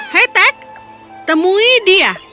hai tek temui dia